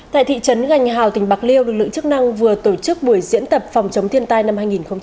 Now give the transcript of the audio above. tại thị trấn gành hào tỉnh bạc liêu lực lượng chức năng vừa tổ chức buổi diễn tập phòng chống thiên tai năm hai nghìn một mươi chín